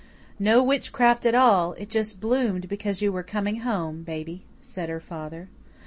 "No witchcraft at all it just bloomed because you were coming home, baby," said her father.